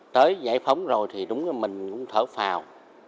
tới giải phóng rồi thì đúng là mình cũng thở phào